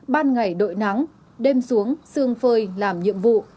ban ngày đội nắng đêm xuống xương phơi làm nhiệm vụ